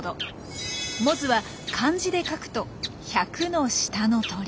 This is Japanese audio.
モズは漢字で書くと「百の舌の鳥」。